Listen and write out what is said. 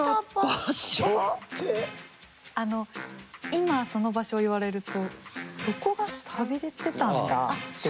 今その場所を言われるとそこがさびれてたんだっていう。